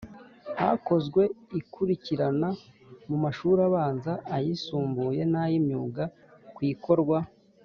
Hakozwe ikurikirana mu mashuri abanza ayisumbuye n ay imyuga ku ikorwa